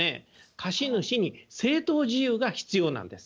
貸主に正当事由が必要なんです。